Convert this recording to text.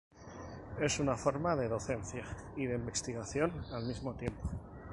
Es una forma de docencia y de investigación al mismo tiempo.